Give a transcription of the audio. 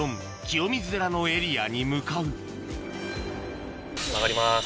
清水寺のエリアに向かう曲がります。